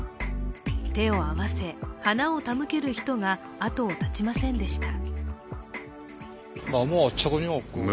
手を合わせ、花を手向ける人が後を絶ちませんでした。